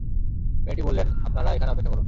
মেয়েটি বললেন, আপনারা এখানে অপেক্ষা করুন।